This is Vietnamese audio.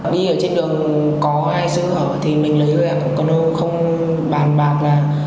đi ở trên đường có ai giữ thì mình lấy người ạ còn không bàn bạc là